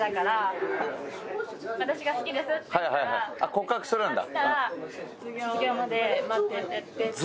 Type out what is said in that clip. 告白するんだ。